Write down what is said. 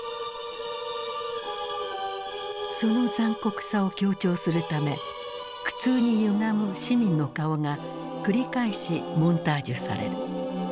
その残酷さを強調するため苦痛にゆがむ市民の顔が繰り返しモンタージュされる。